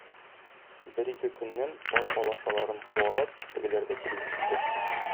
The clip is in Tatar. Бер-ике көннән, пар алашаларын куалап, тегеләр дә килеп җитте.